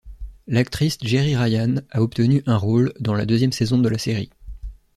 L'actrice Jeri Ryan a obtenu un rôle dans la deuxième saison de la série.